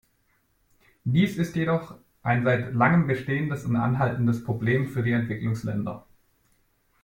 Dies ist jedoch ein seit langem bestehendes und anhaltendes Problem für die Entwicklungsländer.